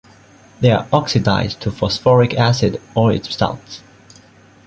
They are oxidized to phosphoric acid or its salts.